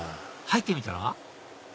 入ってみたら？